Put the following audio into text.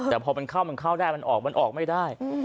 แต่พอมันเข้ามันเข้าได้มันออกมันออกไม่ได้